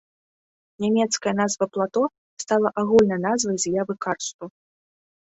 Нямецкая назва плато стала агульнай назвай з'явы карсту.